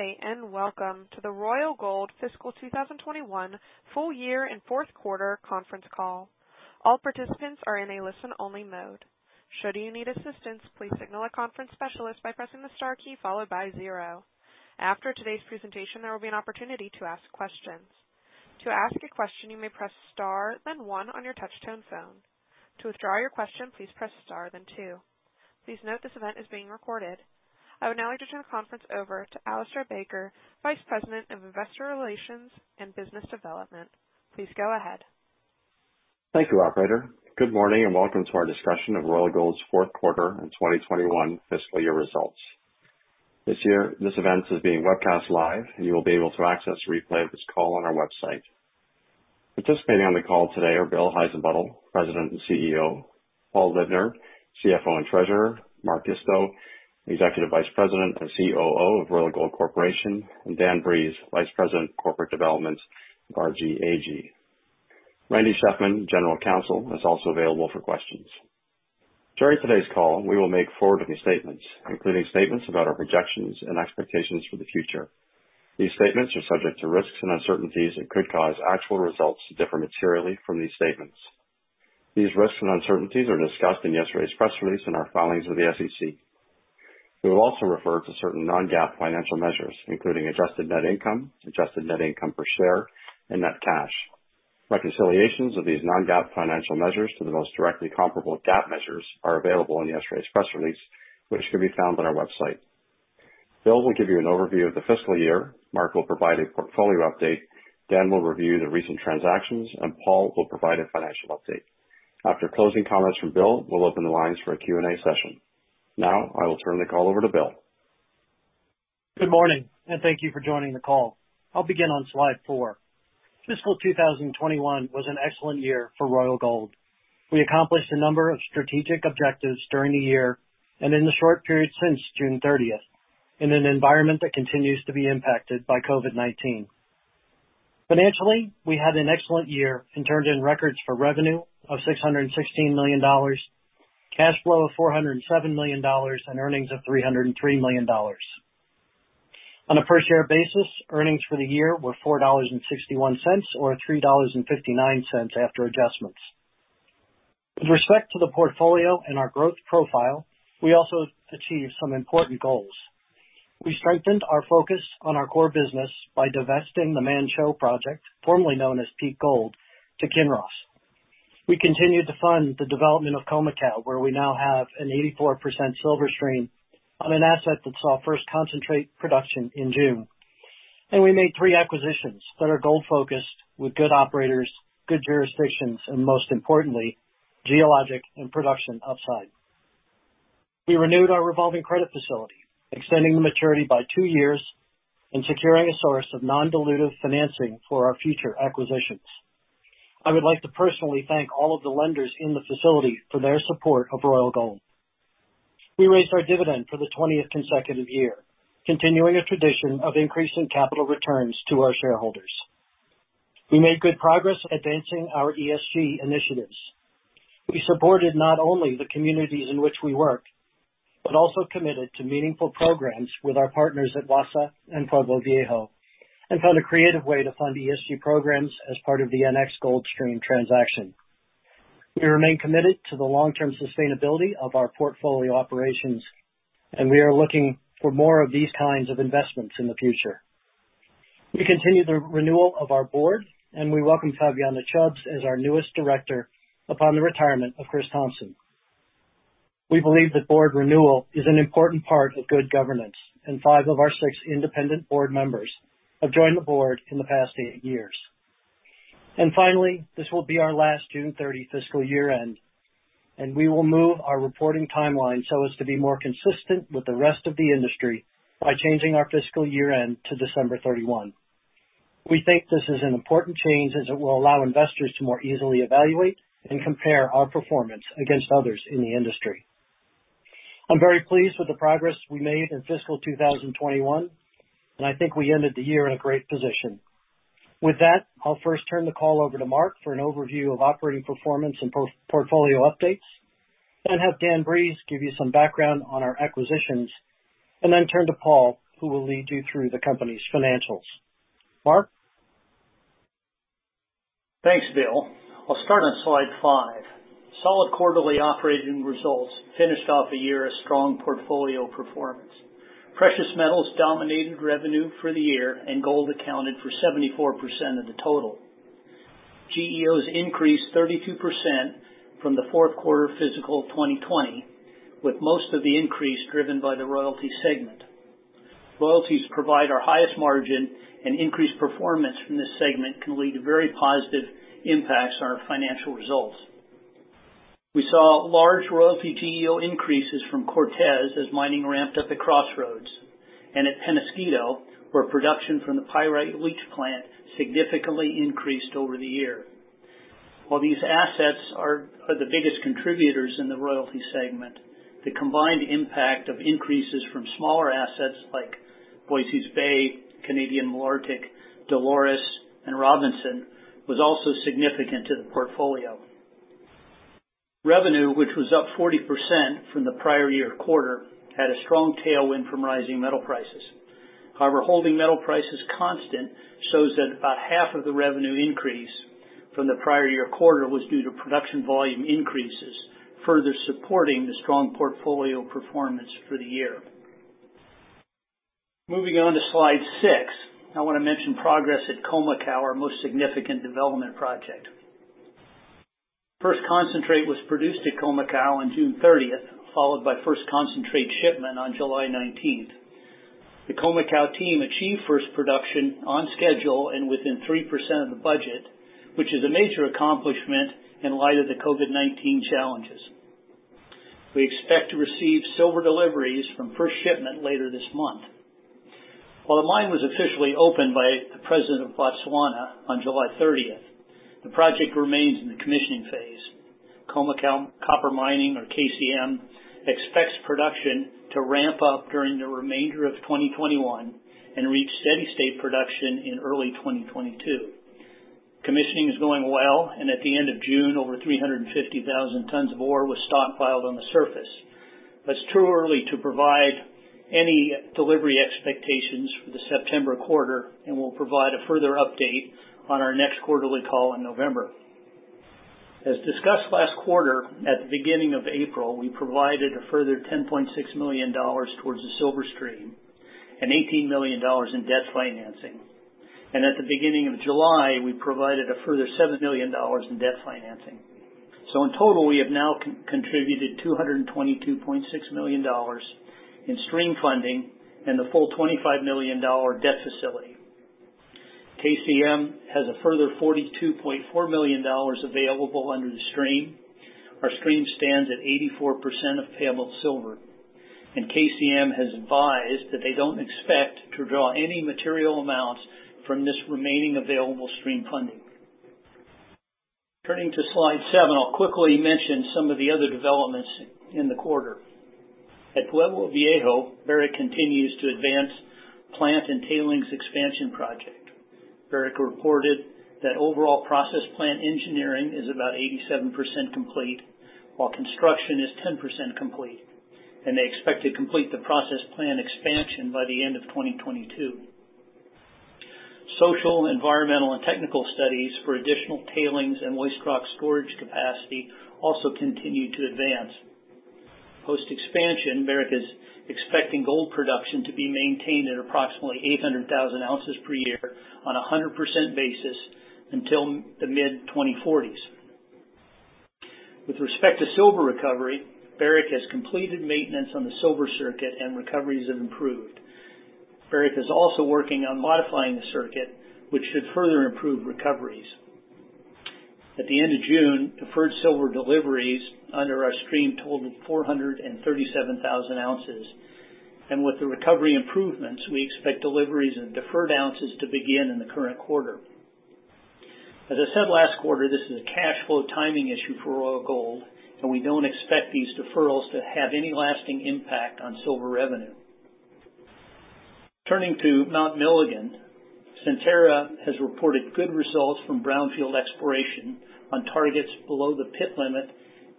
Good day, and welcome to the Royal Gold fiscal 2021 full year and fourth quarter conference call. I would now like to turn the conference over to Alistair Baker, Vice President of Investor Relations and Business Development. Please go ahead. Thank you, operator. Good morning, and welcome to our discussion of Royal Gold's fourth quarter and 2021 fiscal year results. This event is being webcast live, and you will be able to access the replay of this call on our website. Participating on the call today are Bill Heissenbuttel, President and CEO, Paul Libner, CFO and Treasurer, Mark Isto, Executive Vice President and COO of Royal Gold Corporation, and Dan Breeze, Vice President of Corporate Development, RGLD Gold AG. Randy Shefman, General Counsel, is also available for questions. During today's call, we will make forward-looking statements, including statements about our projections and expectations for the future. These statements are subject to risks and uncertainties and could cause actual results to differ materially from these statements. These risks and uncertainties are discussed in yesterday's press release and our filings with the SEC. We will also refer to certain non-GAAP financial measures, including adjusted net income, adjusted net income per share, and net cash. Reconciliations of these non-GAAP financial measures to the most directly comparable GAAP measures are available in yesterday's press release, which can be found on our website. Bill will give you an overview of the fiscal year, Mark will provide a portfolio update, Dan will review the recent transactions, and Paul will provide a financial update. After closing comments from Bill, we'll open the lines for a Q&A session. Now, I will turn the call over to Bill. Good morning, and thank you for joining the call. I'll begin on slide four. Fiscal 2021 was an excellent year for Royal Gold. We accomplished a number of strategic objectives during the year and in the short period since June 30th, in an environment that continues to be impacted by COVID-19. Financially, we had an excellent year and turned in records for revenue of $616 million, cash flow of $407 million, and earnings of $303 million. On a per-share basis, earnings for the year were $4.61 or $3.59 after adjustments. With respect to the portfolio and our growth profile, we also achieved some important goals. We strengthened our focus on our core business by divesting the Manh Choh project, formerly known as Peak Gold, to Kinross. We continued to fund the development of Khoemacau, where we now have an 84% silver stream on an asset that saw first concentrate production in June. We made three acquisitions that are gold-focused with good operators, good jurisdictions, and most importantly, geologic and production upside. We renewed our revolving credit facility, extending the maturity by two years and securing a source of non-dilutive financing for our future acquisitions. I would like to personally thank all of the lenders in the facility for their support of Royal Gold. We raised our dividend for the 20th consecutive year, continuing a tradition of increasing capital returns to our shareholders. We made good progress advancing our ESG initiatives. We supported not only the communities in which we work but also committed to meaningful programs with our partners at Wassa and Pueblo Viejo, found a creative way to fund ESG programs as part of the NX Gold stream transaction. We remain committed to the long-term sustainability of our portfolio operations, we are looking for more of these kinds of investments in the future. We continue the renewal of our board, we welcome Fabiana Chubbs as our newest director upon the retirement of Chris Thompson. We believe that board renewal is an important part of good governance, five of our six independent board members have joined the board in the past eight years. Finally, this will be our last June 30 fiscal year-end, and we will move our reporting timeline so as to be more consistent with the rest of the industry by changing our fiscal year-end to December 31. We think this is an important change as it will allow investors to more easily evaluate and compare our performance against others in the industry. I'm very pleased with the progress we made in fiscal 2021, and I think we ended the year in a great position. With that, I'll first turn the call over to Mark for an overview of operating performance and portfolio updates. Have Dan Breeze give you some background on our acquisitions, and turn to Paul, who will lead you through the company's financials. Mark? Thanks, Bill. I'll start on slide five. Solid quarterly operating results finished off a year of strong portfolio performance. Precious metals dominated revenue for the year, and gold accounted for 74% of the total. GEOs increased 32% from the fourth quarter fiscal of 2020, with most of the increase driven by the royalty segment. Royalties provide our highest margin, and increased performance from this segment can lead to very positive impacts on our financial results. We saw large royalty GEO increases from Cortez as mining ramped up at Crossroads, and at Peñasquito, where production from the pyrite leach plant significantly increased over the year. While these assets are the biggest contributors in the royalty segment, the combined impact of increases from smaller assets like Voisey's Bay, Canadian Malartic, Dolores, and Robinson was also significant to the portfolio. Revenue, which was up 40% from the prior year quarter, had a strong tailwind from rising metal prices. Holding metal prices constant shows that about half of the revenue increase from the prior year quarter was due to production volume increases, further supporting the strong portfolio performance for the year. Moving on to slide six, I want to mention progress at Khoemacau, our most significant development project. First concentrate was produced at Khoemacau on June 30th, followed by first concentrate shipment on July 19th. The Khoemacau team achieved first production on schedule and within 3% of the budget, which is a major accomplishment in light of the COVID-19 challenges. We expect to receive silver deliveries from first shipment later this month. While the mine was officially opened by the president of Botswana on July 30th, the project remains in the commissioning phase. Khoemacau Copper Mining, or KCM, expects production to ramp up during the remainder of 2021 and reach steady state production in early 2022. Commissioning is going well, and at the end of June, over 350,000 tons of ore was stockpiled on the surface. It's too early to provide any delivery expectations for the September quarter, and we'll provide a further update on our next quarterly call in November. As discussed last quarter, at the beginning of April, we provided a further $10.6 million towards the silver stream and $18 million in debt financing. At the beginning of July, we provided a further $7 million in debt financing. In total, we have now contributed $222.6 million in stream funding and the full $25 million debt facility. KCM has a further $42.4 million available under the stream. Our stream stands at 84% of payable silver, and KCM has advised that they don't expect to draw any material amounts from this remaining available stream funding. Turning to slide seven, I'll quickly mention some of the other developments in the quarter. At Pueblo Viejo, Barrick continues to advance plant and tailings expansion project. Barrick reported that overall process plant engineering is about 87% complete, while construction is 10% complete, and they expect to complete the process plant expansion by the end of 2022. Social, environmental, and technical studies for additional tailings and waste rock storage capacity also continue to advance. Post-expansion, Barrick is expecting gold production to be maintained at approximately 800,000 oz per year on 100% basis until the mid-2040s. With respect to silver recovery, Barrick has completed maintenance on the silver circuit and recoveries have improved. Barrick is also working on modifying the circuit, which should further improve recoveries. At the end of June, deferred silver deliveries under our stream totaled 437,000 oz. With the recovery improvements, we expect deliveries and deferred ounces to begin in the current quarter. As I said last quarter, this is a cash flow timing issue for Royal Gold, and we don't expect these deferrals to have any lasting impact on silver revenue. Turning to Mount Milligan, Centerra has reported good results from brownfield exploration on targets below the pit limit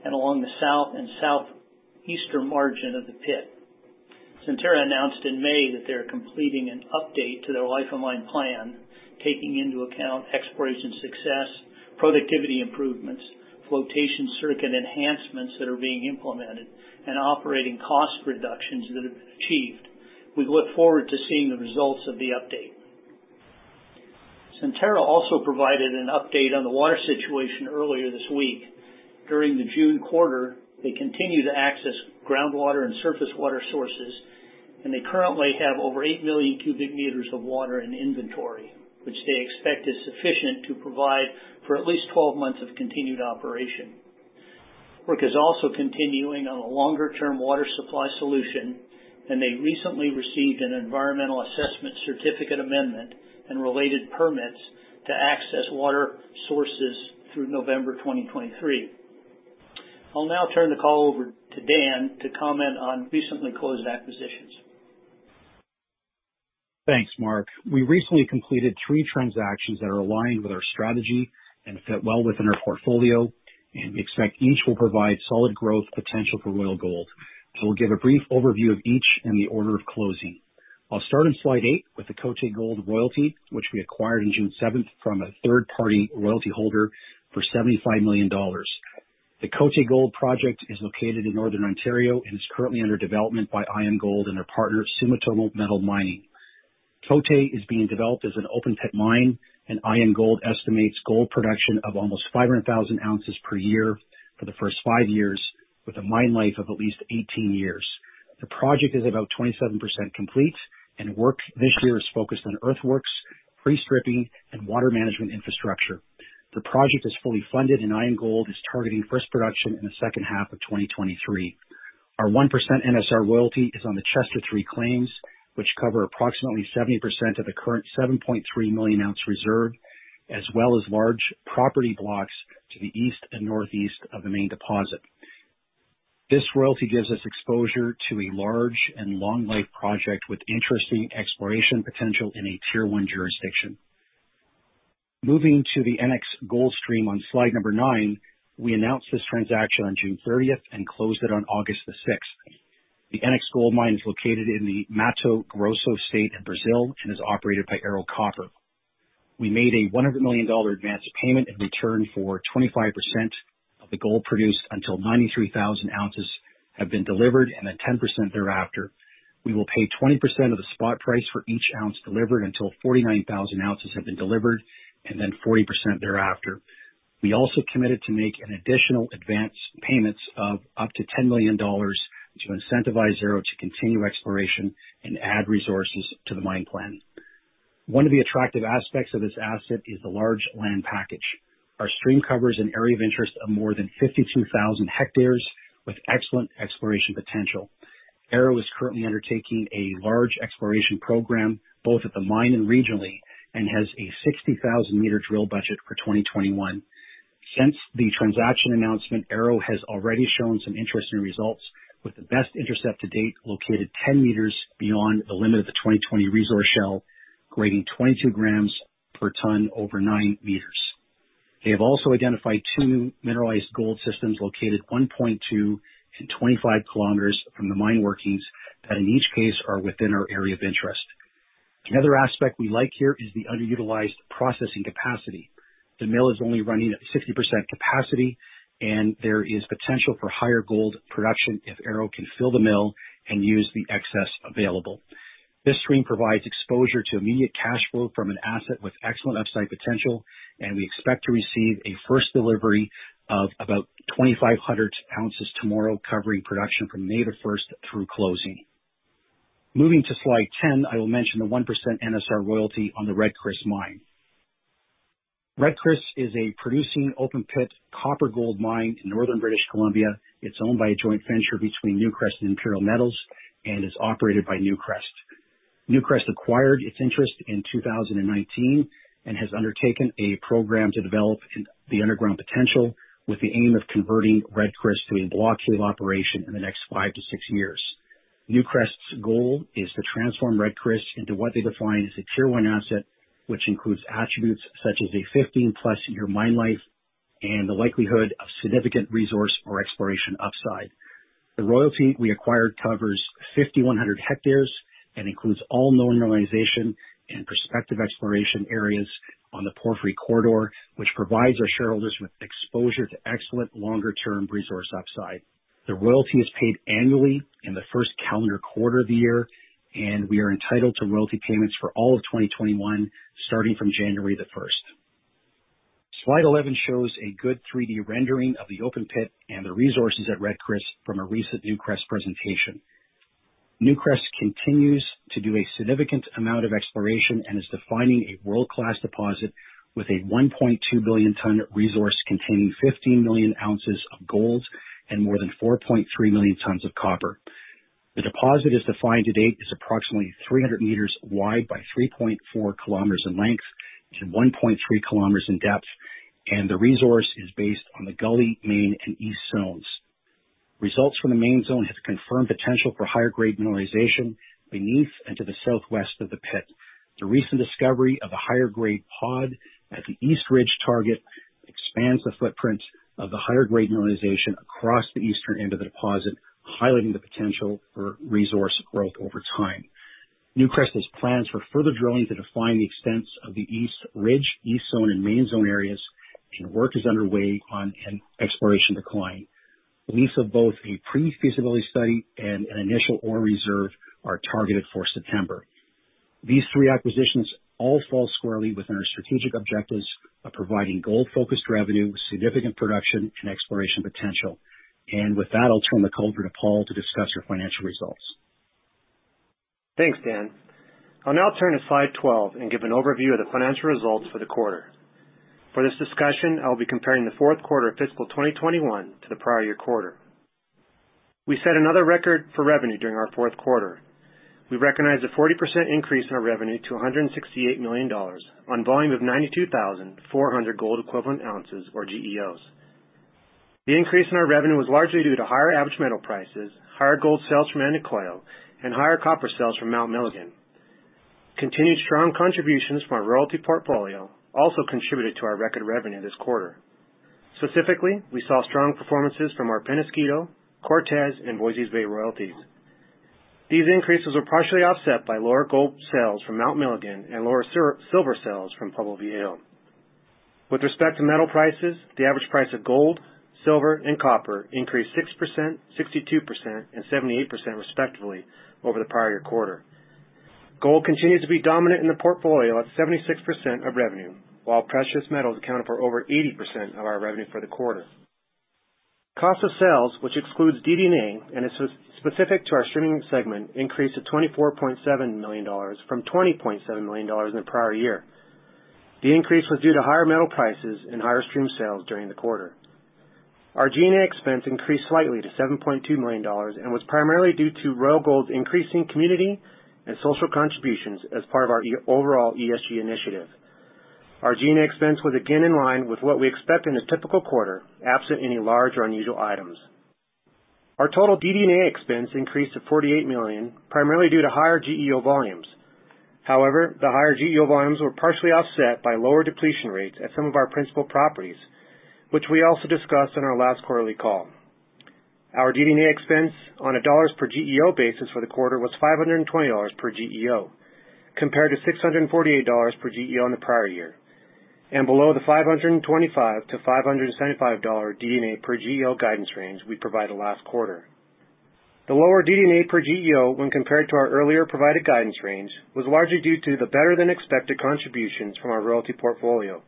and along the south and southeastern margin of the pit. Centerra announced in May that they're completing an update to their life of mine plan, taking into account exploration success, productivity improvements, flotation circuit enhancements that are being implemented, and operating cost reductions that have been achieved. We look forward to seeing the results of the update. Centerra also provided an update on the water situation earlier this week. During the June quarter, they continue to access groundwater and surface water sources, and they currently have over 8 million cubic meters of water in inventory, which they expect is sufficient to provide for at least 12 months of continued operation. Work is also continuing on a longer-term water supply solution, and they recently received an environmental assessment certificate amendment and related permits to access water sources through November 2023. I'll now turn the call over to Dan to comment on recently closed acquisitions. Thanks, Mark. We recently completed three transactions that are aligned with our strategy and fit well within our portfolio, and we expect each will provide solid growth potential for Royal Gold. We will give a brief overview of each in the order of closing. I will start on slide eight with the Côté Gold royalty, which we acquired on June 7th from a third-party royalty holder for $75 million. The Côté Gold project is located in northern Ontario and is currently under development by IAMGOLD and their partner, Sumitomo Metal Mining. Côté is being developed as an open-pit mine, and IAMGOLD estimates gold production of almost 500,000 oz per year for the first five years with a mine life of at least 18 years. The project is about 27% complete, and work this year is focused on earthworks, pre-stripping, and water management infrastructure. The project is fully funded. IAMGOLD is targeting first production in the second half of 2023. Our 1% NSR royalty is on the Chester 3 claims, which cover approximately 70% of the current 7.3 million ounce reserve, as well as large property blocks to the east and northeast of the main deposit. This royalty gives us exposure to a large and long-life project with interesting exploration potential in a Tier 1 jurisdiction. Moving to the NX Gold Stream on slide number nine. We announced this transaction on June 30th and closed it on August the 6th. The NX Gold Mine is located in the Mato Grosso state of Brazil and is operated by Ero Copper. We made a $100 million advance payment in return for 25% of the gold produced until 93,000 oz have been delivered, and then 10% thereafter. We will pay 20% of the spot price for each ounce delivered until 49,000 ounces have been delivered, and then 40% thereafter. We also committed to make an additional advance payments of up to $10 million to incentivize Ero to continue exploration and add resources to the mine plan. One of the attractive aspects of this asset is the large land package. Our stream covers an area of interest of more than 52,000 hectares with excellent exploration potential. Ero is currently undertaking a large exploration program, both at the mine and regionally, and has a 60,000 m drill budget for 2021. Since the transaction announcement, Ero has already shown some interesting results, with the best intercept to date located 10 m beyond the limit of the 2020 resource shell, grading 22 g/ton over 9 m. They have also identified two mineralized gold systems located 1.2 km and 25 km from the mine workings that, in each case, are within our area of interest. Another aspect we like here is the underutilized processing capacity. The mill is only running at 60% capacity, and there is potential for higher gold production if Ero can fill the mill and use the excess available. This stream provides exposure to immediate cash flow from an asset with excellent upside potential, and we expect to receive a first delivery of about 2,500 oz tomorrow, covering production from May the 1st through closing. Moving to slide 10, I will mention the 1% NSR royalty on the Red Chris mine. Red Chris is a producing open-pit copper-gold mine in northern British Columbia. It is owned by a joint venture between Newcrest and Imperial Metals and is operated by Newcrest. Newcrest acquired its interest in 2019 and has undertaken a program to develop the underground potential with the aim of converting Red Chris to a block cave operation in the next five to six years. Newcrest's goal is to transform Red Chris into what they define as a Tier 1 asset, which includes attributes such as a 15+ year mine life and the likelihood of significant resource or exploration upside. The royalty we acquired covers 5,100 hectares and includes all known mineralization and prospective exploration areas on the Porphyry Corridor, which provides our shareholders with exposure to excellent longer-term resource upside. The royalty is paid annually in the first calendar quarter of the year, and we are entitled to royalty payments for all of 2021, starting from January the 1st. Slide 11 shows a good 3D rendering of the open pit and the resources at Red Chris from a recent Newcrest presentation. Newcrest continues to do a significant amount of exploration and is defining a world-class deposit with a 1.2 billion ton resource containing 15 million oz of gold and more than 4.3 million tons of copper. The deposit as defined to date is approximately 300 m wide by 3.4 km in length, and 1.3 km in depth, and the resource is based on the Gully, Main, and East Zones. Results from the main zone have confirmed potential for higher grade mineralization beneath and to the southwest of the pit. The recent discovery of a higher grade pod at the East Ridge target expands the footprint of the higher grade mineralization across the eastern end of the deposit, highlighting the potential for resource growth over time. Newcrest has plans for further drilling to define the extents of the East Ridge, East Zone, and Main Zone areas, and work is underway on an exploration decline. Release of both a pre-feasibility study and an initial ore reserve are targeted for September. These three acquisitions all fall squarely within our strategic objectives of providing gold-focused revenue, significant production, and exploration potential. With that, I'll turn the call over to Paul to discuss our financial results. Thanks, Dan. I'll now turn to slide 12 and give an overview of the financial results for the quarter. For this discussion, I'll be comparing the fourth quarter of fiscal 2021 to the prior year quarter. We set another record for revenue during our fourth quarter. We recognized a 40% increase in our revenue to $168 million on volume of 92,400 gold equivalent ounces, or GEOs. The increase in our revenue was largely due to higher average metal prices, higher gold sales from Andacollo, and higher copper sales from Mount Milligan. Continued strong contributions from our royalty portfolio also contributed to our record revenue this quarter. Specifically, we saw strong performances from our Peñasquito, Cortez, and Voisey's Bay royalties. These increases were partially offset by lower gold sales from Mount Milligan and lower silver sales from Pueblo Viejo. With respect to metal prices, the average price of gold, silver, and copper increased 6%, 62%, and 78%, respectively, over the prior quarter. Gold continues to be dominant in the portfolio at 76% of revenue, while precious metals accounted for over 80% of our revenue for the quarter. Cost of sales, which excludes DD&A and is specific to our streaming segment, increased to $24.7 million from $20.7 million in the prior year. The increase was due to higher metal prices and higher stream sales during the quarter. Our G&A expense increased slightly to $7.2 million and was primarily due to Royal Gold's increasing community and social contributions as part of our overall ESG initiative. Our G&A expense was again in line with what we expect in a typical quarter, absent any large or unusual items. Our total DD&A expense increased to $48 million, primarily due to higher GEO volumes. The higher GEO volumes were partially offset by lower depletion rates at some of our principal properties, which we also discussed on our last quarterly call. Our DD&A expense on a dollars per GEO basis for the quarter was $520 per GEO, compared to $648 per GEO in the prior year, and below the $525-$575 DD&A per GEO guidance range we provided last quarter. The lower DD&A per GEO when compared to our earlier provided guidance range was largely due to the better than expected contributions from our royalty portfolio.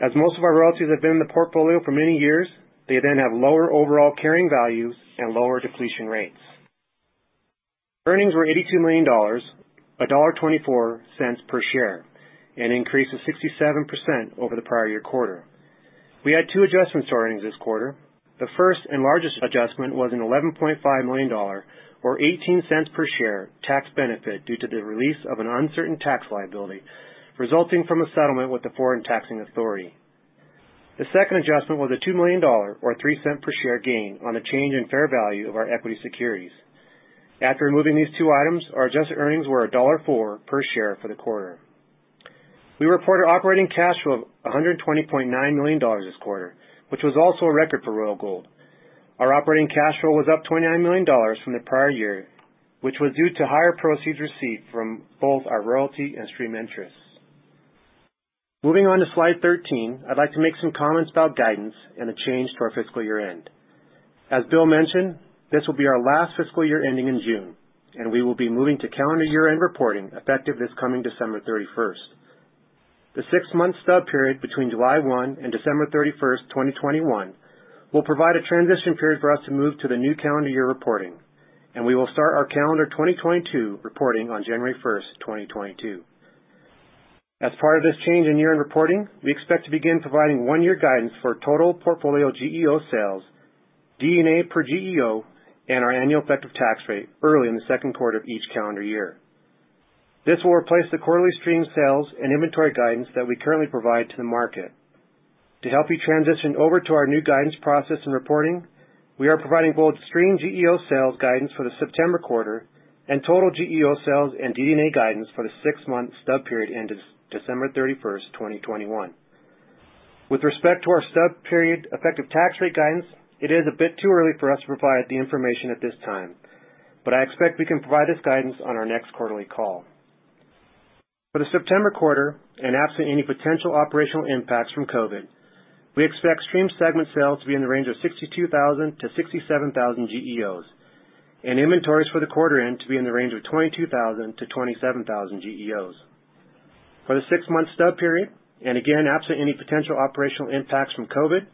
As most of our royalties have been in the portfolio for many years, they then have lower overall carrying values and lower depletion rates. Earnings were $82 million, $1.24 per share, an increase of 67% over the prior year quarter. We had two adjustments to our earnings this quarter. The first and largest adjustment was an $11.5 million, or $0.18 per share, tax benefit due to the release of an uncertain tax liability resulting from a settlement with the foreign taxing authority. The second adjustment was a $2 million, or $0.03 per share, gain on a change in fair value of our equity securities. After removing these two items, our adjusted earnings were $4 per share for the quarter. We reported operating cash flow of $120.9 million this quarter, which was also a record for Royal Gold. Our operating cash flow was up $29 million from the prior year, which was due to higher proceeds received from both our royalty and stream interests. Moving on to slide 13, I'd like to make some comments about guidance and a change to our fiscal year-end. As Bill mentioned, this will be our last fiscal year ending in June. We will be moving to calendar year-end reporting effective this coming December 31st. The six-month stub period between July 1 and December 31, 2021 will provide a transition period for us to move to the new calendar year reporting. We will start our calendar 2022 reporting on January 1st, 2022. As part of this change in year-end reporting, we expect to begin providing one-year guidance for total portfolio GEO sales, DD&A per GEO, and our annual effective tax rate early in the second quarter of each calendar year. This will replace the quarterly stream sales and inventory guidance that we currently provide to the market. To help you transition over to our new guidance process and reporting, we are providing both stream GEO sales guidance for the September quarter and total GEO sales and DD&A guidance for the six-month stub period ending December 31, 2021. With respect to our stub period effective tax rate guidance, it is a bit too early for us to provide the information at this time, I expect we can provide this guidance on our next quarterly call. For the September quarter, absent any potential operational impacts from COVID, we expect stream segment sales to be in the range of 62,000-67,000 GEOs, and inventories for the quarter end to be in the range of 22,000-27,000 GEOs. For the six-month stub period, again, absent any potential operational impacts from COVID-19,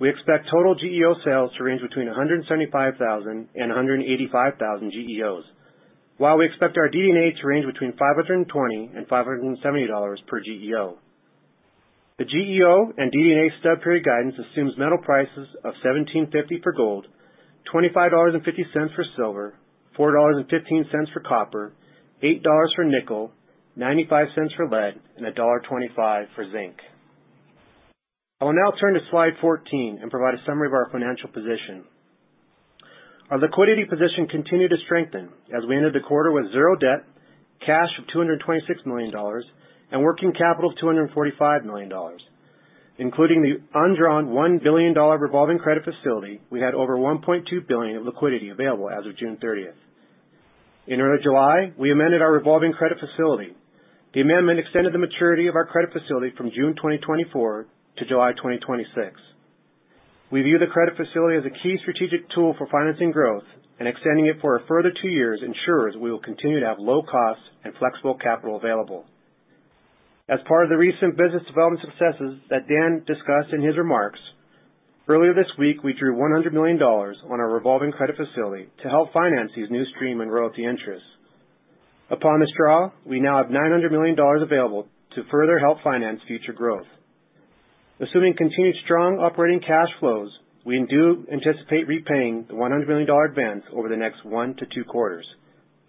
we expect total GEO sales to range between 175,000 and 185,000 GEOs, while we expect our DD&A to range between $520 and $570 per GEO. The GEO and DD&A stub period guidance assumes metal prices of $1,750 for gold, $25.50 for silver, $4.15 for copper, $8 for nickel, $0.95 for lead, and $1.25 for zinc. I will now turn to slide 14 and provide a summary of our financial position. Our liquidity position continued to strengthen as we ended the quarter with zero debt, cash of $226 million and working capital of $245 million. Including the undrawn $1 billion revolving credit facility, we had over $1.2 billion of liquidity available as of June 30th. In early July, we amended our revolving credit facility. The amendment extended the maturity of our credit facility from June 2024-July 2026. We view the credit facility as a key strategic tool for financing growth and extending it for a further two years ensures we will continue to have low cost and flexible capital available. As part of the recent business development successes that Dan discussed in his remarks, earlier this week, we drew $100 million on our revolving credit facility to help finance these new stream and royalty interests. Upon this draw, we now have $900 million available to further help finance future growth. Assuming continued strong operating cash flows, we do anticipate repaying the $100 million advance over the next one to two quarters,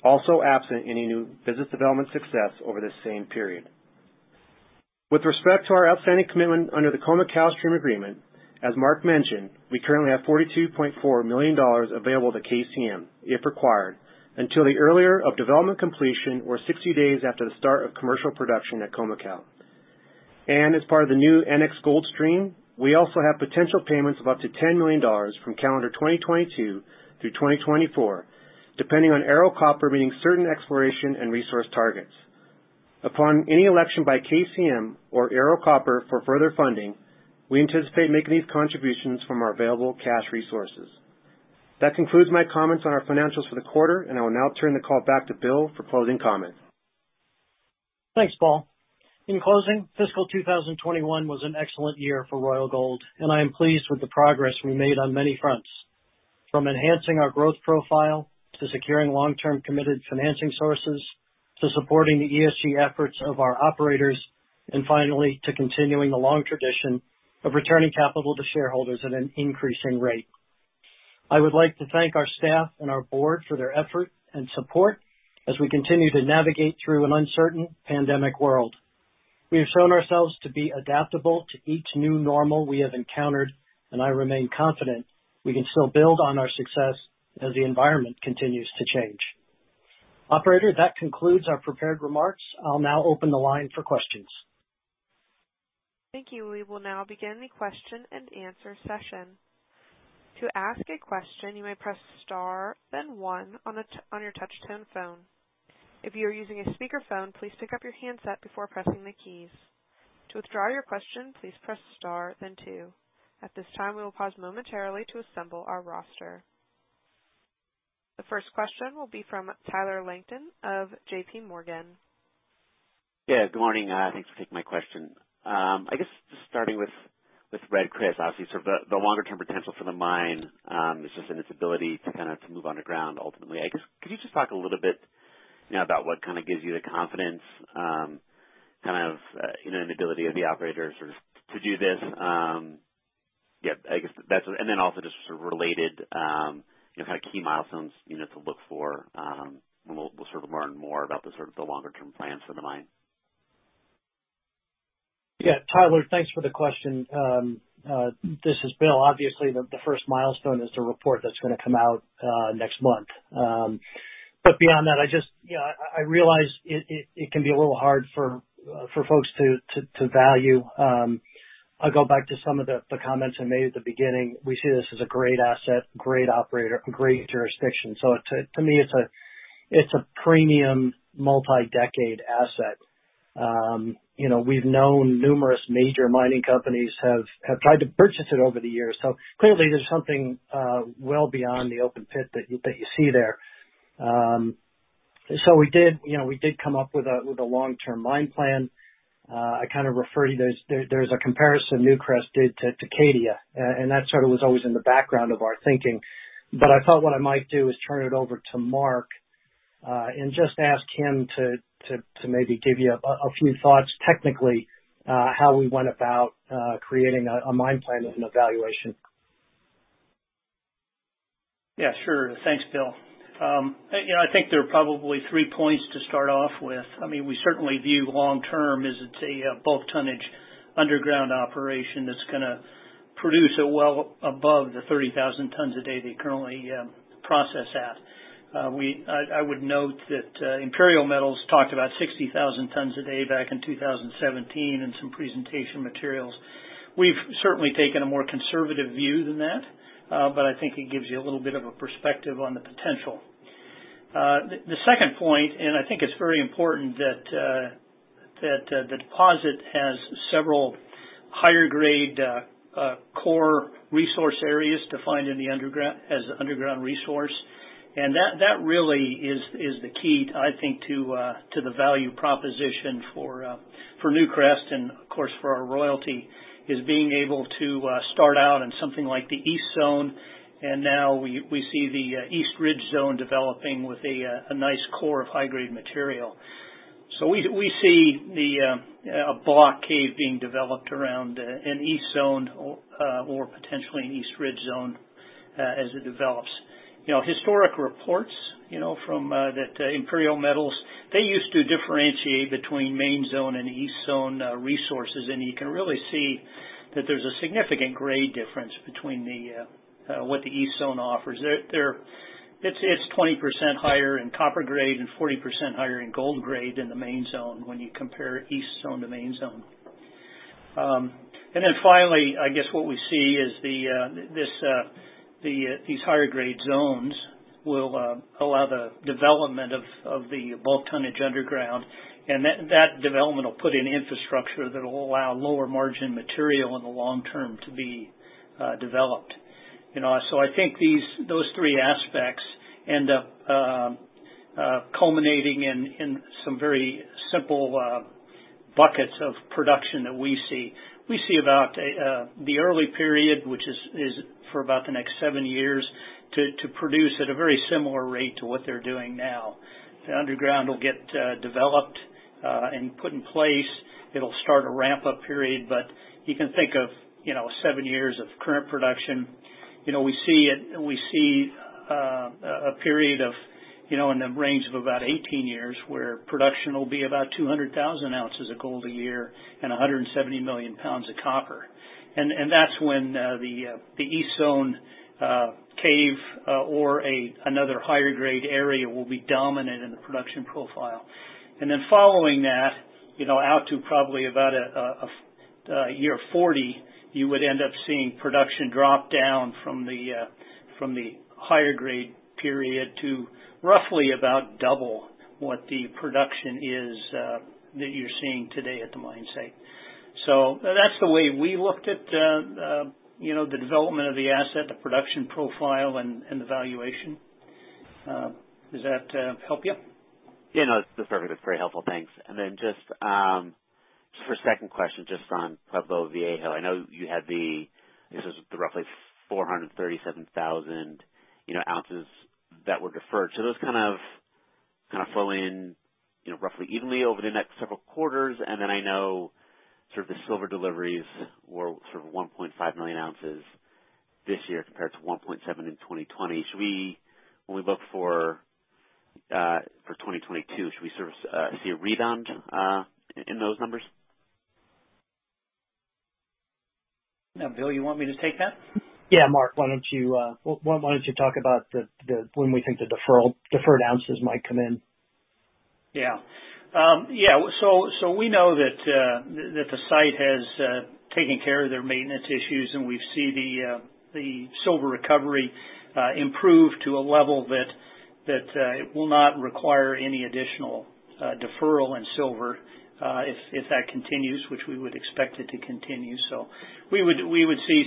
also absent any new business development success over the same period. With respect to our outstanding commitment under the Khoemacau stream agreement, as Mark mentioned, we currently have $42.4 million available to KCM if required, until the earlier of development completion or 60 days after the start of commercial production at Khoemacau. As part of the new NX Gold stream, we also have potential payments of up to $10 million from calendar 2022-2024, depending on Ero Copper meeting certain exploration and resource targets. Upon any election by KCM or Ero Copper for further funding, we anticipate making these contributions from our available cash resources. That concludes my comments on our financials for the quarter. I will now turn the call back to Bill for closing comments. Thanks, Paul. In closing, fiscal 2021 was an excellent year for Royal Gold, and I am pleased with the progress we made on many fronts. From enhancing our growth profile, to securing long-term committed financing sources, to supporting the ESG efforts of our operators, and finally, to continuing a long tradition of returning capital to shareholders at an increasing rate. I would like to thank our staff and our board for their effort and support as we continue to navigate through an uncertain pandemic world. We have shown ourselves to be adaptable to each new normal we have encountered, and I remain confident we can still build on our success as the environment continues to change. Operator, that concludes our prepared remarks. I'll now open the line for questions. Thank you. We will now begin the question and answer session. To ask a question, you may press star then one on your touch-tone phone. If you are using a speakerphone, please pick up your handset before pressing the keys. To withdraw your question, please press star then two. At this time, we will pause momentarily to assemble our roster. The first question will be from Tyler Langton of JPMorgan. Yeah, good morning. Thanks for taking my question. I guess just starting with Red Chris, obviously, sort of the longer-term potential for the mine, is just in its ability to kind of move underground ultimately. I guess, could you just talk a little bit now about what kind of gives you the confidence, in the ability of the operators to do this? Also just sort of related, kind of key milestones to look for when we'll sort of learn more about the sort of the longer-term plans for the mine. Yeah, Tyler, thanks for the question. This is Bill. Obviously, the first milestone is the report that's going to come out next month. Beyond that, I realize it can be a little hard for folks to value. I'll go back to some of the comments I made at the beginning. We see this as a great asset, great operator, great jurisdiction. To me, it's a premium multi-decade asset. We've known numerous major mining companies have tried to purchase it over the years. Clearly there's something well beyond the open pit that you see there. We did come up with a long-term mine plan. I kind of refer you, there's a comparison Newcrest did to Cadia, and that sort of was always in the background of our thinking. I thought what I might do is turn it over to Mark, and just ask him to maybe give you a few thoughts technically, how we went about creating a mine plan as an evaluation. Yeah, sure. Thanks, Bill. I think there are probably three points to start off with. We certainly view long term as it's a bulk tonnage underground operation that's going to produce well above the 30,000 tons a day they currently process at. I would note that Imperial Metals talked about 60,000 tons a day back in 2017 in some presentation materials. We've certainly taken a more conservative view than that, but I think it gives you a little bit of a perspective on the potential. The second point, and I think it's very important that the deposit has several higher grade core resource areas defined as an underground resource, and that really is the key, I think, to the value proposition for Newcrest and of course, for our royalty, is being able to start out in something like the East Zone, and now we see the East Ridge Zone developing with a nice core of high-grade material. We see a block cave being developed around an East Zone or potentially an East Ridge Zone, as it develops. Historic reports from Imperial Metals, they used to differentiate between Main Zone and East Zone resources, and you can really see that there's a significant grade difference between what the East Zone offers. It's 20% higher in copper grade and 40% higher in gold grade than the Main Zone when you compare East Zone to Main Zone. Finally, I guess what we see is these higher grade zones will allow the development of the bulk tonnage underground, and that development will put in infrastructure that'll allow lower margin material in the long term to be developed. I think those three aspects end up culminating in some very simple buckets of production that we see. We see about the early period, which is for about the next seven years, to produce at a very similar rate to what they're doing now. The underground will get developed, and put in place. It'll start a ramp-up period, but you can think of seven years of current production. We see a period of, in the range of about 18 years, where production will be about 200,000 oz of gold a year and 170 million lbs of copper. That's when the East Zone cave or another higher grade area will be dominant in the production profile. Following that, out to probably about year 40, you would end up seeing production drop down from the higher grade period to roughly about double what the production is that you're seeing today at the mine site. That's the way we looked at the development of the asset, the production profile and the valuation. Does that help you? Yeah, no, that's perfect. That's very helpful. Thanks. Just for a second question, just on Pueblo Viejo. I know you had the roughly 437,000 oz that were deferred. Those kind of flow in roughly evenly over the next several quarters, the silver deliveries were 1.5 million oz this year compared to 1.7 million oz in 2020. Should we, when we look for. For 2022, should we sort of see a rebound in those numbers? Yeah. Bill, you want me to take that? Yeah. Mark, why don't you talk about when we think the deferred ounces might come in? We know that the site has taken care of their maintenance issues, and we see the silver recovery improve to a level that it will not require any additional deferral in silver if that continues, which we would expect it to continue. We would see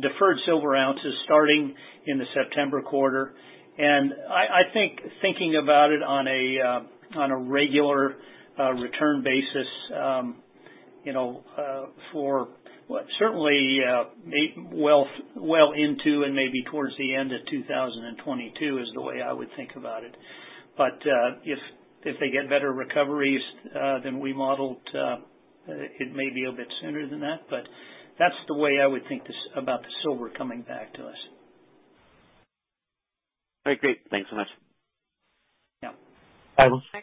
deferred silver ounces starting in the September quarter. I think thinking about it on a regular return basis, for certainly well into and maybe towards the end of 2022, is the way I would think about it. If they get better recoveries than we modeled, it may be a bit sooner than that, but that's the way I would think about the silver coming back to us. Great. Thanks so much. Yeah. Alistair.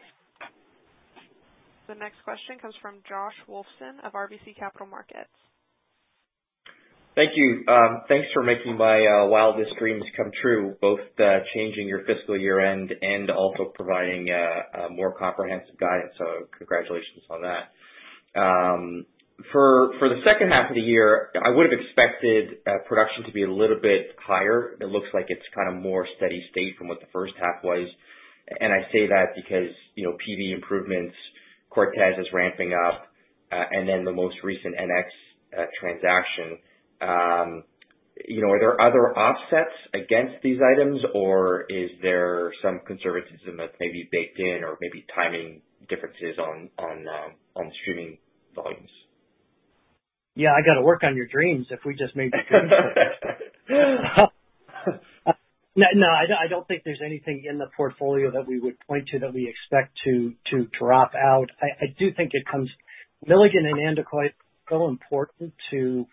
The next question comes from Josh Wolfson of RBC Capital Markets. Thank you. Thanks for making my wildest dreams come true, both changing your fiscal year-end and also providing more comprehensive guidance. Congratulations on that. For the second half of the year, I would have expected production to be a little bit higher. It looks like it's kind of more steady state from what the first half was. I say that because PV improvements, Cortez is ramping up, and then the most recent NX transaction. Are there other offsets against these items, or is there some conservatism that's maybe baked in or maybe timing differences on streaming volumes? Yeah, I got to work on your dreams if we just made your dreams come true. No, I don't think there's anything in the portfolio that we would point to that we expect to drop out. Milligan and Andacollo are so important to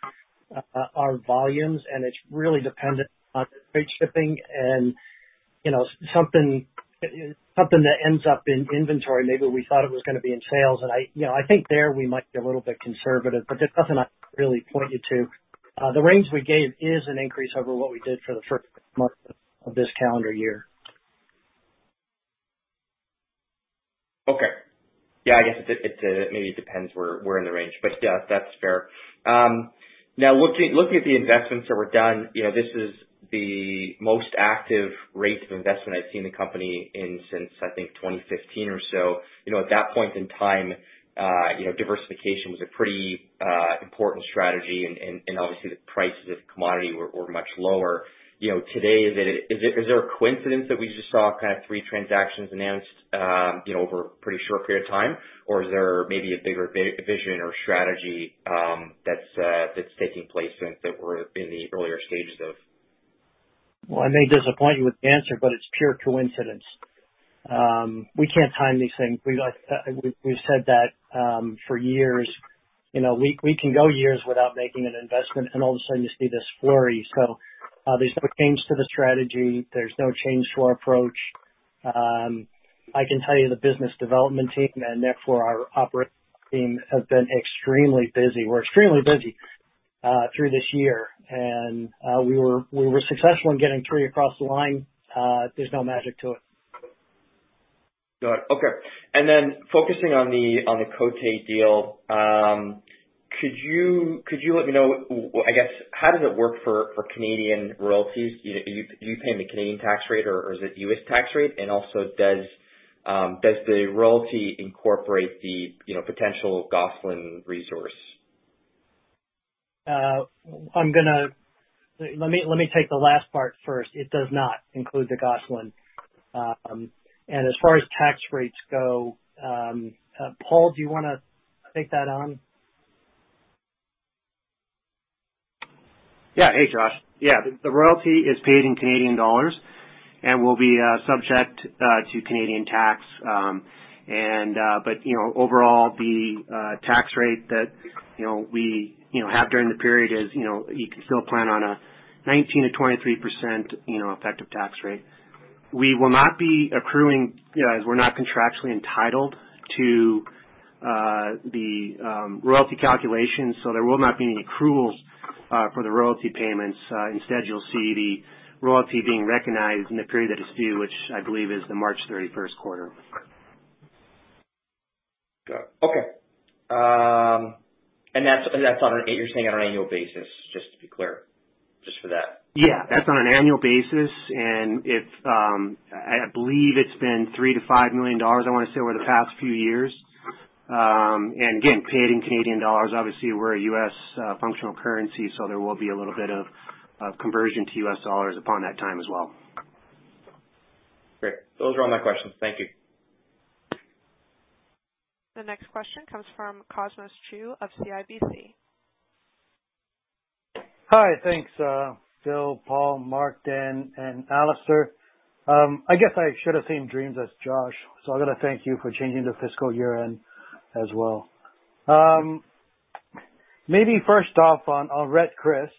our volumes, and it's really dependent on freight shipping and something that ends up in inventory. Maybe we thought it was going to be in sales. I think there we might be a little bit conservative, but there's nothing I can really point you to. The range we gave is an increase over what we did for the first month of this calendar year. Okay. Yeah, I guess it maybe depends where in the range. Yeah, that's fair. Now, looking at the investments that were done, this is the most active rate of investment I've seen the company in since, I think, 2015 or so. At that point in time diversification was a pretty important strategy, and obviously the prices of commodity were much lower. Today, is there a coincidence that we just saw kind of three transactions announced over a pretty short period of time? Is there maybe a bigger vision or strategy that's taking place that we're in the earlier stages of? I may disappoint you with the answer, but it's pure coincidence. We can't time these things. We've said that for years. We can go years without making an investment, and all of a sudden, you see this flurry. There's no change to the strategy. There's no change to our approach. I can tell you the business development team, and therefore our operating team, have been extremely busy. We're extremely busy through this year. We were successful in getting three across the line. There's no magic to it. Got it. Okay. Focusing on the Côté deal, could you let me know, I guess, how does it work for Canadian royalties? Do you pay them the Canadian tax rate or is it U.S. tax rate? Does the royalty incorporate the potential Gosselin resource? Let me take the last part first. It does not include the Gosselin. As far as tax rates go, Paul, do you want to take that on? Hey, Josh. The royalty is paid in Canadian dollars and will be subject to Canadian tax. Overall, the tax rate that we have during the period is, you can still plan on a 19%-23% effective tax rate. We will not be accruing, as we're not contractually entitled to the royalty calculation, there will not be any accruals for the royalty payments. Instead, you'll see the royalty being recognized in the period that it's due, which I believe is the March 31st quarter. Got it. Okay. That's on an eight-year thing on an annual basis, just to be clear, just for that. Yeah, that's on an annual basis, and I believe it's been $3 million-$5 million, I want to say, over the past few years. Again, paid in Canadian dollars. Obviously, we're a U.S. functional currency, so there will be a little bit of conversion to U.S. dollars upon that time as well. Great. Those are all my questions. Thank you. The next question comes from Cosmos Chiu of CIBC. Hi. Thanks, Bill, Paul, Mark, Dan, and Alistair. I guess I should have seen dreams as Josh, I've got to thank you for changing the fiscal year-end as well. Yeah. Maybe first off on Red Chris,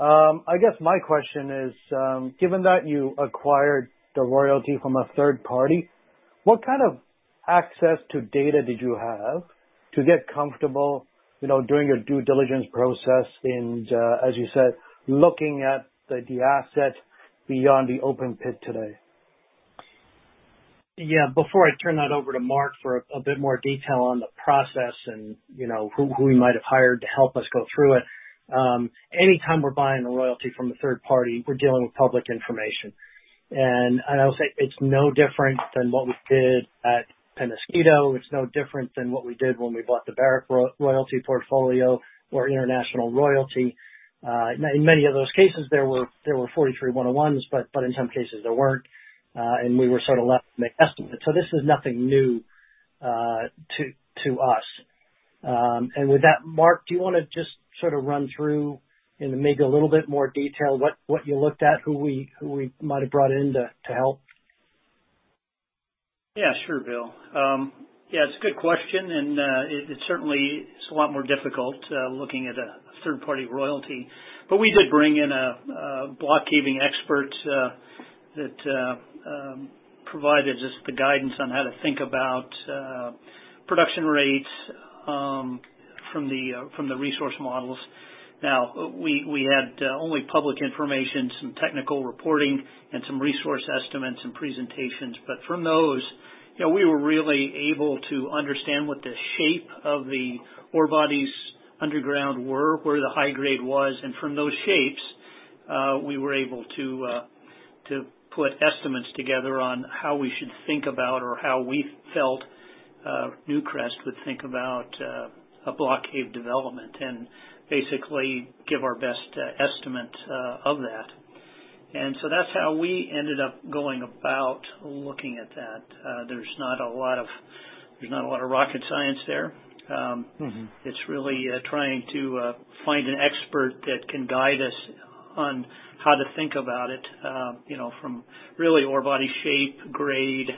I guess my question is, given that you acquired the royalty from a third party, what kind of access to data did you have to get comfortable doing a due diligence process and, as you said, looking at the asset beyond the open pit today? Yeah. Before I turn that over to Mark for a bit more detail on the process and who we might have hired to help us go through it, anytime we're buying a royalty from a third party, we're dealing with public information. I will say it's no different than what we did at Peñasquito. It's no different than what we did when we bought the Barrick royalty portfolio or International Royalty. In many of those cases, there were 43-101s, but in some cases there weren't, and we were sort of left to make estimates. This is nothing new to us. With that, Mark, do you want to just sort of run through in maybe a little bit more detail what you looked at, who we might have brought in to help? Yeah, sure, Bill. It's a good question, and it certainly is a lot more difficult, looking at a third-party royalty. We did bring in a block caving expert, that provided just the guidance on how to think about production rates from the resource models. Now, we had only public information, some technical reporting, and some resource estimates and presentations. From those, we were really able to understand what the shape of the ore bodies underground were, where the high grade was. From those shapes, we were able to put estimates together on how we should think about or how we felt Newcrest would think about a block cave development, and basically give our best estimate of that. That's how we ended up going about looking at that. There's not a lot of rocket science there. It's really trying to find an expert that can guide us on how to think about it from really ore body shape, grade,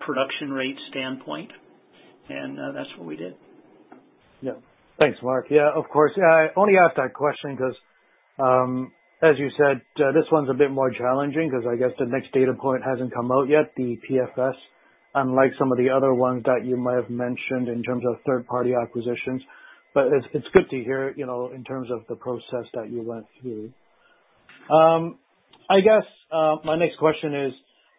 production rate standpoint, and that's what we did. Yeah. Thanks, Mark. Yeah, of course. I only asked that question because, as you said, this one's a bit more challenging because I guess the next data point hasn't come out yet, the PFS, unlike some of the other ones that you might have mentioned in terms of third-party acquisitions. It's good to hear, in terms of the process that you went through. I guess, my next question is,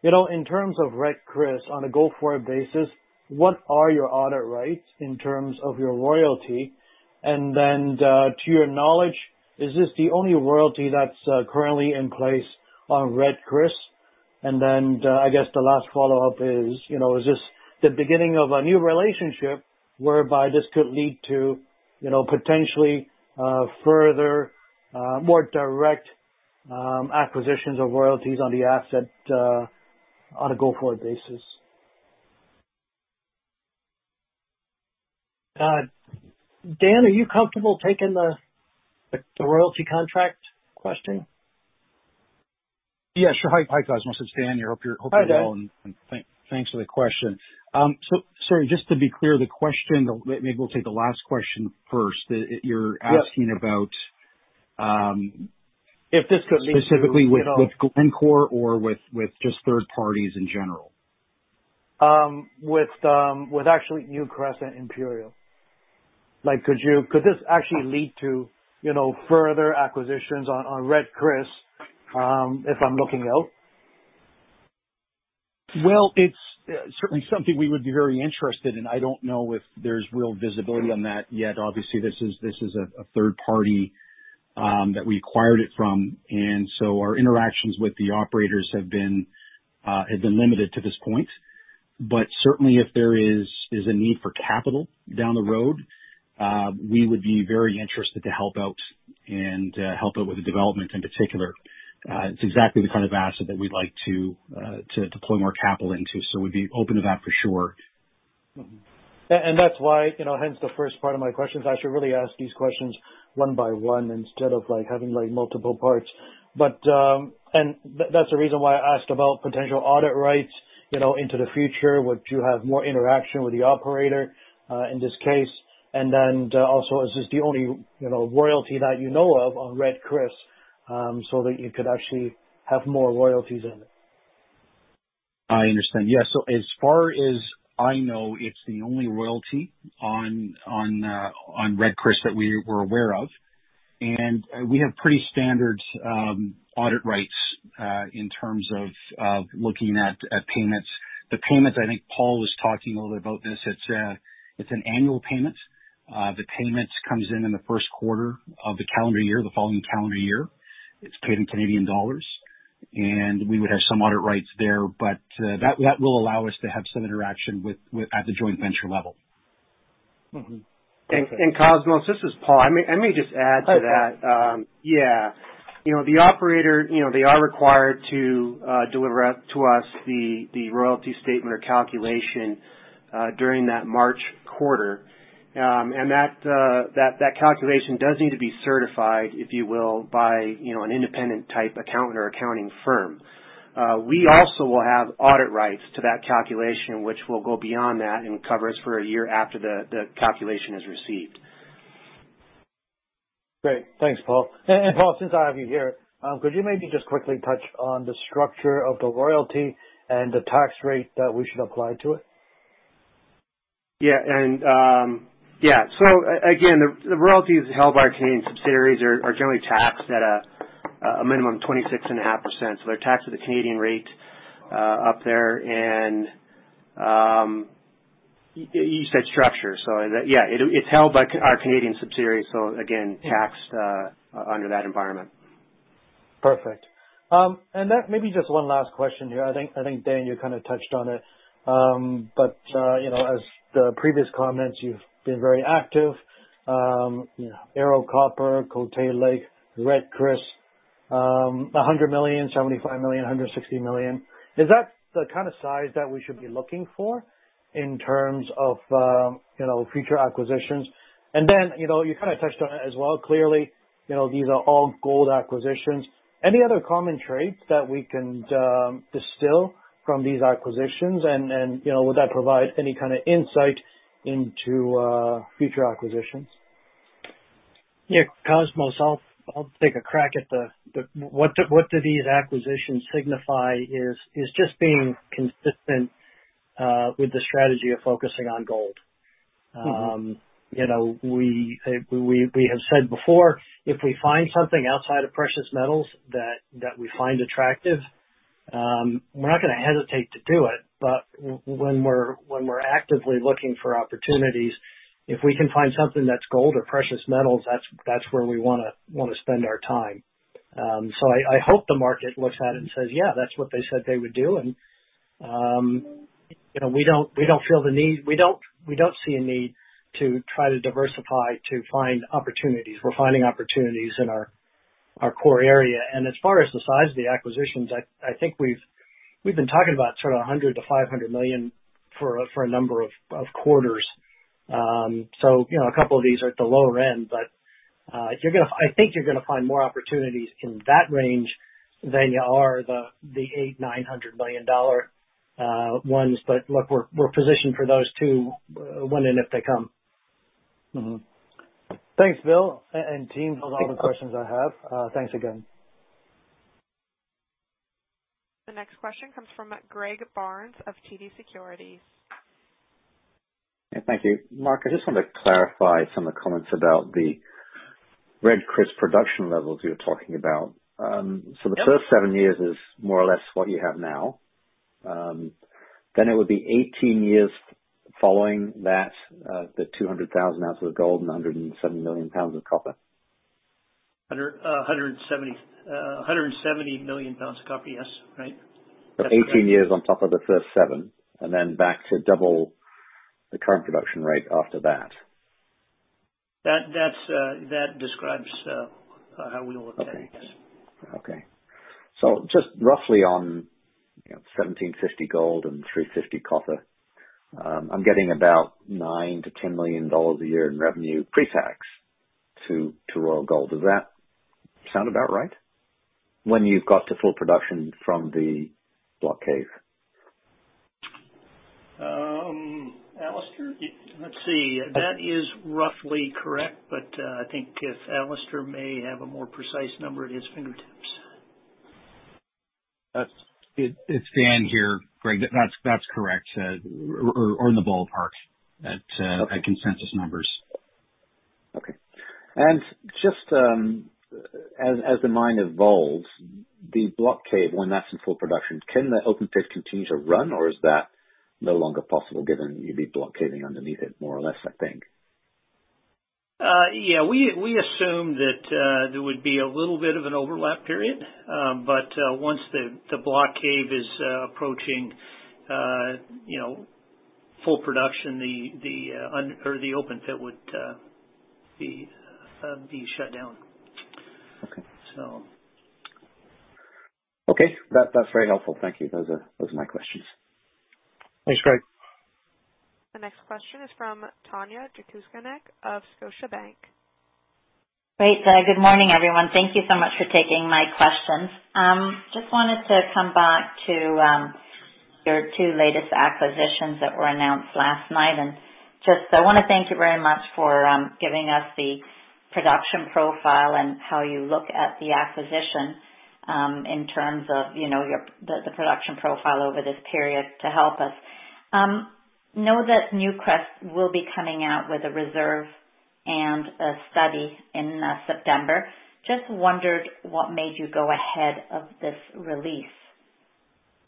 in terms of Red Chris, on a go-forward basis, what are your audit rights in terms of your royalty? To your knowledge, is this the only royalty that's currently in place on Red Chris? I guess the last follow-up is this the beginning of a new relationship whereby this could lead to potentially further, more direct acquisitions of royalties on the asset on a go-forward basis? Dan, are you comfortable taking the royalty contract question? Yeah, sure. Hi, guys. My name is Dan. I hope you're well. Hi, Dan. Thanks for the question. Sorry, just to be clear, the question, maybe we'll take the last question first. You're asking about. If this could lead to. Specifically with Glencore or with just third parties in general? With actually Newcrest and Imperial. Could this actually lead to further acquisitions on Red Chris, if I'm looking out? Well, it's certainly something we would be very interested in. I don't know if there's real visibility on that yet. Obviously, this is a third party that we acquired it from, and so our interactions with the operators have been limited to this point. Certainly, if there is a need for capital down the road, we would be very interested to help out and help out with the development in particular. It's exactly the kind of asset that we'd like to deploy more capital into, so we'd be open to that for sure. That's why, hence the first part of my question, is I should really ask these questions one by one instead of having multiple parts. That's the reason why I asked about potential audit rights into the future. Would you have more interaction with the operator, in this case? Also, is this the only royalty that you know of on Red Chris, so that you could actually have more royalties in it? I understand. Yeah. As far as I know, it's the only royalty on Red Chris that we were aware of, and we have pretty standard audit rights, in terms of looking at payments. The payments, I think Paul was talking a little about this, it's an annual payment. The payment comes in in the first quarter of the calendar year, the following calendar year. It's paid in Canadian dollars, and we would have some audit rights there, but that will allow us to have some interaction at the joint venture level. Cosmos, this is Paul. I may just add to that. Hi, Paul. Yeah. The operator, they are required to deliver to us the royalty statement or calculation during that March quarter. That calculation does need to be certified, if you will, by an independent type accountant or accounting firm. We also will have audit rights to that calculation, which will go beyond that and cover us for a year after the calculation is received. Great. Thanks, Paul. Paul, since I have you here, could you maybe just quickly touch on the structure of the royalty and the tax rate that we should apply to it? Again, the royalties held by our Canadian subsidiaries are generally taxed at a minimum 26.5%. They're taxed at the Canadian rate up there. You said structure, it's held by our Canadian subsidiary, taxed under that environment. Perfect. Maybe just one last question here. I think, Dan, you kind of touched on it. As the previous comments, you've been very active. Ero Copper, Côté Gold, Red Chris. $100 million, $75 million, $160 million. Is that the kind of size that we should be looking for in terms of future acquisitions? Then, you kind of touched on it as well. Clearly, these are all gold acquisitions. Any other common traits that we can distill from these acquisitions, and will that provide any kind of insight into future acquisitions? Cosmos, I'll take a crack at what do these acquisitions signify, is just being consistent with the strategy of focusing on gold. We have said before, if we find something outside of precious metals that we find attractive, we're not going to hesitate to do it. When we're actively looking for opportunities, if we can find something that's gold or precious metals, that's where we want to spend our time. I hope the market looks at it and says, "Yeah, that's what they said they would do." We don't see a need to try to diversify to find opportunities. We're finding opportunities in our core area. As far as the size of the acquisitions, I think we've been talking about sort of a $100 million-$500 million for a number of quarters. A couple of these are at the lower end, but I think you're going to find more opportunities in that range than you are the $800 million-$900 million ones. Look, we're positioned for those, too, willing if they come. Mm-hmm. Thanks, Bill and team. Those are all the questions I have. Thanks again. The next question comes from Greg Barnes of TD Securities. Yeah, thank you. Mark, I just wanted to clarify some of the comments about the Red Chris production levels you were talking about. Yep. The first seven years is more or less what you have now. It would be 18 years following that, the 200,000 oz of gold and 170 million pounds of copper. 170 million lbs of copper, yes. Right. That's correct. 18 years on top of the first seven, and then back to double the current production rate after that. That describes how we look at it, yes. Okay. Just roughly on 1,750 gold and 350 copper, I'm getting about $9 million-$10 million a year in revenue pre-tax to Royal Gold. Does that sound about right? When you've got to full production from the block cave? Alistair? Let's see. That is roughly correct, but I think Alistair may have a more precise number at his fingertips. It's Dan here, Greg. That's correct, or in the ballpark at consensus numbers. Okay. Just as the mine evolves, the block cave, when that's in full production, can the open pit continue to run, or is that no longer possible given you'd be block caving underneath it, more or less, I think? Yeah. We assume that there would be a little bit of an overlap period. Once the block cave is approaching full production, the open pit would be shut down. Okay. So. Okay. That's very helpful. Thank you. Those are my questions. Thanks, Greg. The next question is from Tanya Jakusconek of Scotiabank. Great. Good morning, everyone. Thank you so much for taking my questions. Just wanted to come back to your two latest acquisitions that were announced last night, and just I want to thank you very much for giving us the production profile and how you look at the acquisition, in terms of the production profile over this period to help us. Know that Newcrest will be coming out with a reserve and a study in September. Just wondered what made you go ahead of this release.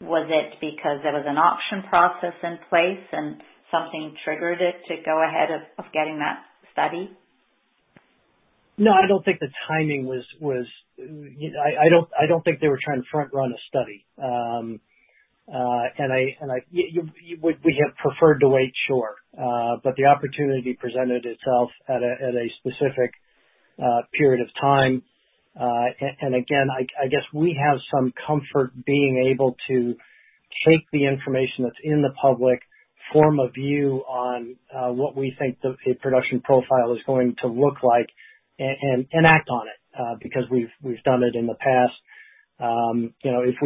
Was it because there was an auction process in place and something triggered it to go ahead of getting that study? No, I don't think they were trying to front-run a study. We have preferred to wait, sure. The opportunity presented itself at a specific period of time. Again, I guess we have some comfort being able to take the information that's in the public. Form a view on what we think the production profile is going to look like and act on it, because we've done it in the past. If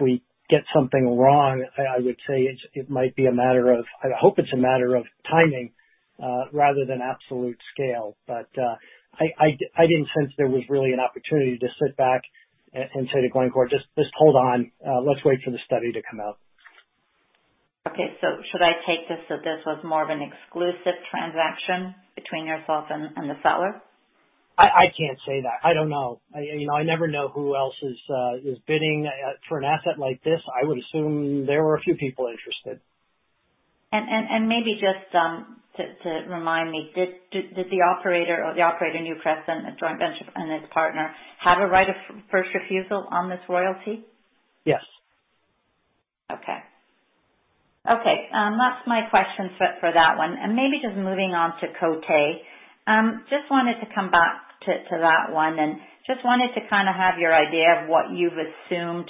we get something wrong, I would say it might be a matter of I hope it's a matter of timing rather than absolute scale. I didn't sense there was really an opportunity to sit back and say to Glencore, "Just hold on. Let's wait for the study to come out. Okay. Should I take this that this was more of an exclusive transaction between yourself and the seller? I can't say that. I don't know. I never know who else is bidding for an asset like this. I would assume there were a few people interested. Maybe just to remind me, did the operator, Newcrest and its partner, have a right of first refusal on this royalty? Yes. Okay. That's my question for that one. Maybe just moving on to Côté. Just wanted to come back to that one and just wanted to kind of have your idea of what you've assumed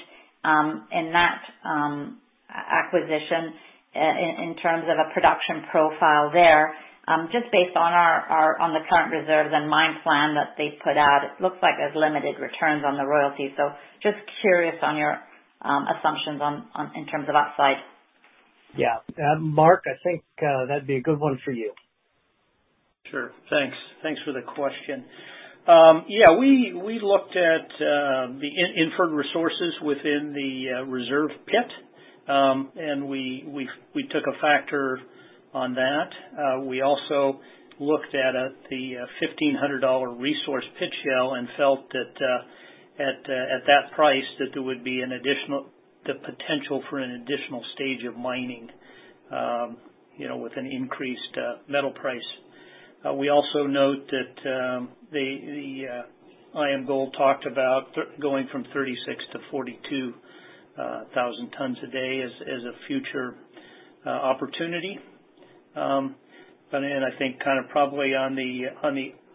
in that acquisition in terms of a production profile there. Just based on the current reserves and mine plan that they've put out, it looks like there's limited returns on the royalty. Just curious on your assumptions in terms of upside. Yeah. Mark, I think that'd be a good one for you. Sure. Thanks for the question. Yeah, we looked at the inferred resources within the reserve pit, and we took a factor on that. We also looked at the $1,500 resource pit shell and felt that at that price, that there would be the potential for an an additional stage of mining with an increased metal price. We also note that the IAMGOLD talked about going from 36,000 tons-42,000 tons a day as a future opportunity. I think probably on the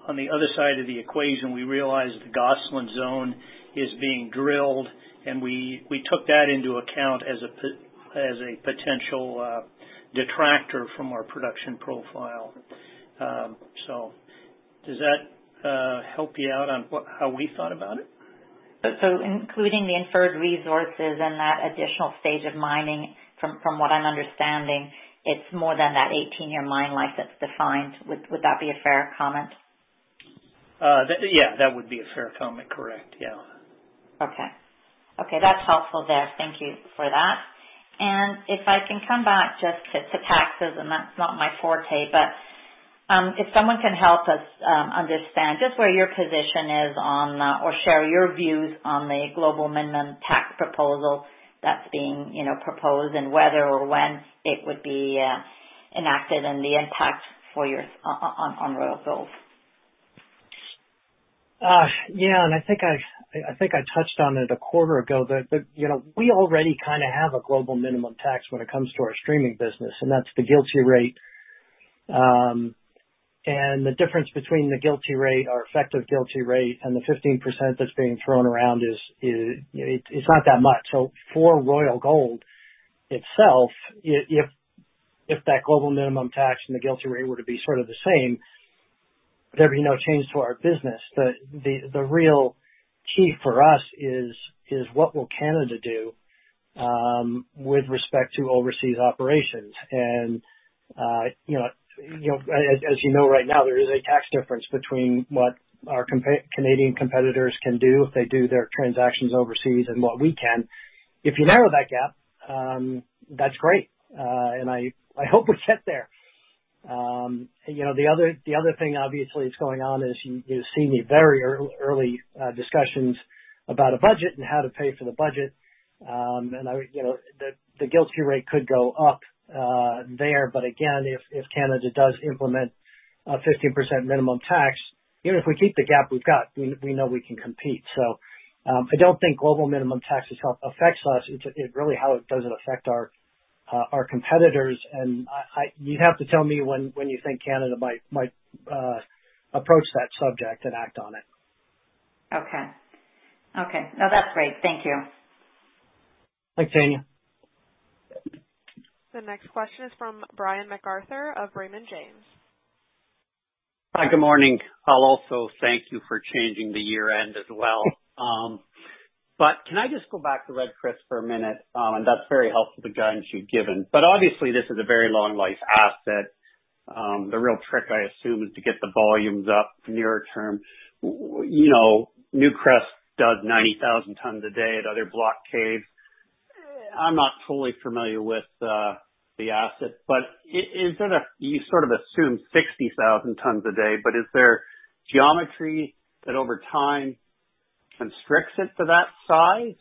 other side of the equation, we realized the Gosselin zone is being drilled, and we took that into account as a potential detractor from our production profile. Does that help you out on how we thought about it? Including the inferred resources and that additional stage of mining, from what I'm understanding, it's more than that 18-year mine life that's defined. Would that be a fair comment? Yeah, that would be a fair comment. Correct. Yeah. Okay. That's helpful there. Thank you for that. If I can come back just to taxes, and that's not my forte, but if someone can help us understand just where your position is on, or share your views on the global minimum tax proposal that's being proposed and whether or when it would be enacted and the impact on Royal Gold. Yeah, I think I touched on it a quarter ago, we already kind of have a global minimum tax when it comes to our streaming business, and that's the GILTI rate. The difference between the GILTI rate, our effective GILTI rate, and the 15% that's being thrown around is not that much. For Royal Gold itself, if that global minimum tax and the GILTI rate were to be sort of the same, there'd be no change to our business. The real key for us is what will Canada do with respect to overseas operations? As you know right now, there is a tax difference between what our Canadian competitors can do if they do their transactions overseas and what we can. If you narrow that gap, that's great, and I hope we get there. The other thing, obviously, that's going on is you're seeing very early discussions about a budget and how to pay for the budget. The GILTI rate could go up there, but again, if Canada does implement a 15% minimum tax, even if we keep the GAAP we've got, we know we can compete. I don't think global minimum tax affects us. It's really how it doesn't affect our competitors, and you'd have to tell me when you think Canada might approach that subject and act on it. Okay. No, that's great. Thank you. Thanks, Tanya. The next question is from Brian MacArthur of Raymond James. Hi, good morning. I'll also thank you for changing the year-end as well. Can I just go back to Red Chris for a minute? That's very helpful, the guidance you've given. Obviously, this is a very long life asset. The real trick, I assume, is to get the volumes up nearer term. Newcrest does 90,000 tons a day at other block caves. I'm not fully familiar with the asset, but you sort of assume 60,000 tons a day, but is there geometry that over time constricts it to that size?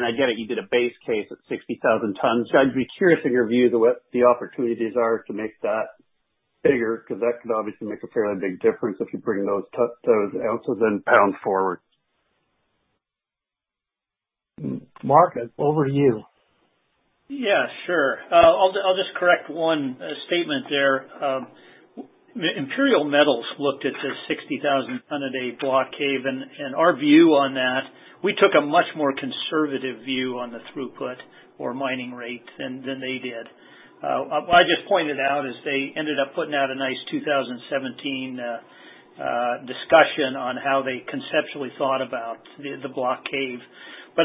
I get it, you did a base case at 60,000 tons. I'd be curious of your view of what the opportunities are to make that bigger, because that could obviously make a fairly big difference if you bring those ounces and pounds forward. Mark, over to you. Yeah, sure. I'll just correct one statement there. Imperial Metals looked at the 60,000 tons a day block cave. Our view on that, we took a much more conservative view on the throughput or mining rate than they did. I just pointed out is they ended up putting out a nice 2017 discussion on how they conceptually thought about the block cave.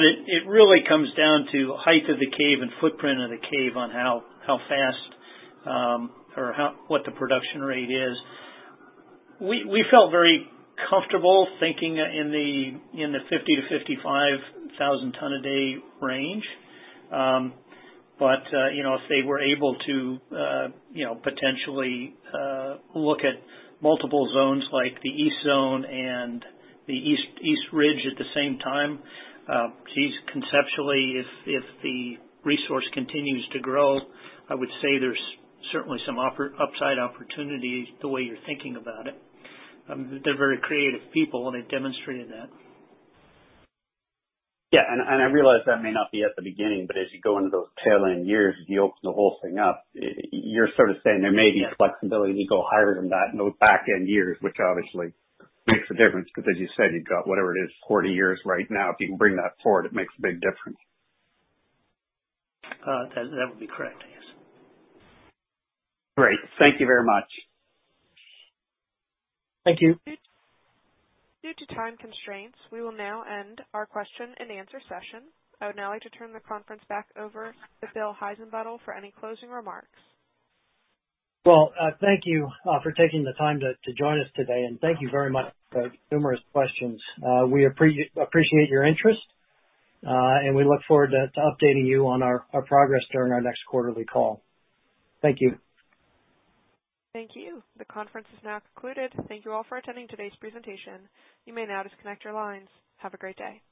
It really comes down to height of the cave and footprint of the cave on how fast or what the production rate is. We felt very comfortable thinking in the 50,000 tons-55,000 tons a day range. If they were able to potentially look at multiple zones like the East Zone and the East Ridge at the same time, conceptually, if the resource continues to grow, I would say there's certainly some upside opportunity the way you're thinking about it. They're very creative people, and they've demonstrated that. Yeah. I realize that may not be at the beginning, but as you go into those tail end years, as you open the whole thing up, you're sort of saying there may be flexibility to go higher than that in those back end years, which obviously makes a difference because as you said, you've got whatever it is, 40 years right now. If you can bring that forward, it makes a big difference. That would be correct, yes. Great. Thank you very much. Thank you. Due to time constraints, we will now end our question and answer session. I would now like to turn the conference back over to Bill Heissenbuttel for any closing remarks. Well, thank you for taking the time to join us today, and thank you very much for the numerous questions. We appreciate your interest, and we look forward to updating you on our progress during our next quarterly call. Thank you. Thank you. The conference is now concluded. Thank you all for attending today's presentation. You may now disconnect your lines. Have a great day.